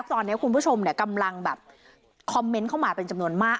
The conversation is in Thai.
ตอนนี้คุณผู้ชมกำลังแบบคอมเมนต์เข้ามาเป็นจำนวนมาก